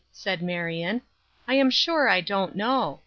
said Marion, "I am sure I don't know.